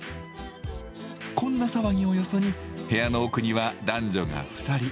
こんな騒ぎをよそに部屋の奥には男女が２人。